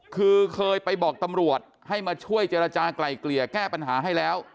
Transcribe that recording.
คือเคยไปบอกตำรวจให้มาช่วยเจรจากลายเกลี่ยแก้ปัญหาให้แล้ว